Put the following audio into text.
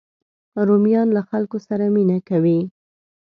رومیان له خلکو سره مینه کوي